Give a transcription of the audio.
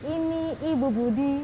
ini ibu budi